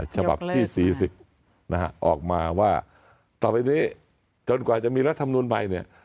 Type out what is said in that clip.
ฉบับที่๔๐ออกมาว่าต่อไปจนกว่าจะรัฐมนุนไหมเนี่ย